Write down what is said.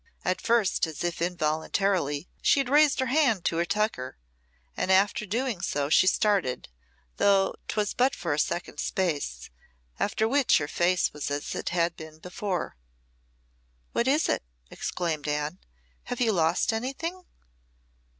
At first, as if involuntarily, she had raised her hand to her tucker, and after doing so she started though 'twas but for a second's space, after which her face was as it had been before. "What is it?" exclaimed Anne. "Have you lost anything?"